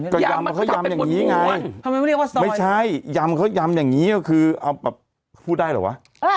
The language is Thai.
ก็ยำเขายำอย่างนี้ไงไม่ใช่ยำเขายำอย่างนี้ก็คือเอาแบบพูดได้เหรอวะ